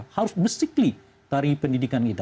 harus basically dari pendidikan kita